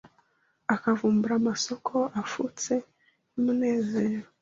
akavumbura amasōko afutse y’umunezero